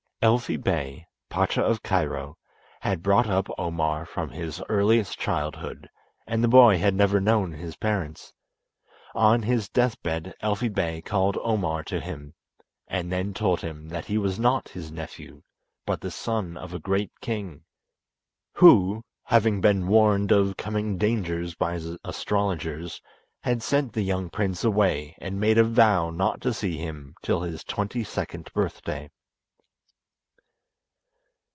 Elfi Bey, Pacha of Cairo, had brought up Omar from his earliest childhood, and the boy had never known his parents. On his deathbed Elfi Bey called Omar to him, and then told him that he was not his nephew, but the son of a great king, who, having been warned of coming dangers by his astrologers, had sent the young prince away and made a vow not to see him till his twenty second birthday.